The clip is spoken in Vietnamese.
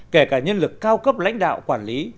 kể cả nhân lực cao cấp lãnh đạo quản lý